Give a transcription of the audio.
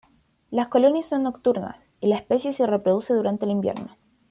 Las colonias son nocturnas, y la especie se reproduce durante el invierno.